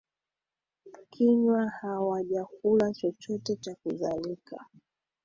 kinywa hawajakula chochote na kadhalika